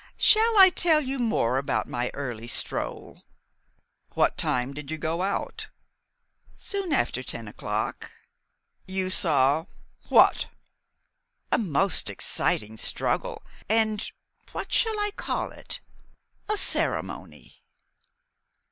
Shall I tell you more about my early stroll?" "What time did you go out?" "Soon after ten o'clock." "You saw what?" "A most exciting struggle and what shall I call it? a ceremony."